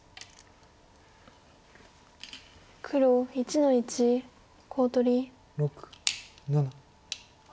黒１の一コウ取り。